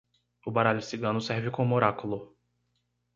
O baralho cigano serve como oráculo